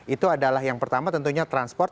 itu adalah yang pertama tentunya transport